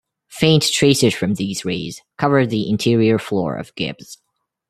Faint traces from these rays cover the interior floor of Gibbs.